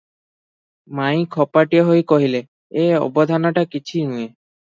ମାଇଁ ଖପାଟାଏ ହୋଇ କହିଲେ, "ଏ ଅବଧାନଟା କିଛି ନୁହେ ।